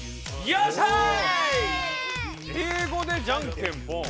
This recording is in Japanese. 「英語でじゃんけんポン」？